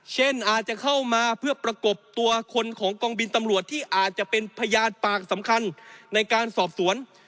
เช่นอาจจะเข้ามาเพื่อประกบตัวคนของกองบินตำรวจที่อาจจะเป็นพยานปากสำคัญในการสอบสวน